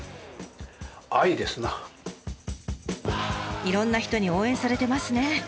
いろんな人に応援されてますね。